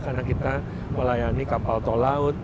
karena kita melayani kapal tol laut